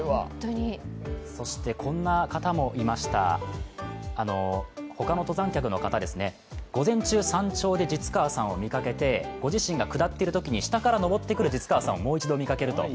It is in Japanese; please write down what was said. そして、こんな方もいました、他の登山客の方、午前中、山頂で實川さんを見かけてご自身が下っているときに下から登っている實川さんをもう一度見かけると。